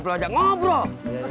keepin ke youtube deh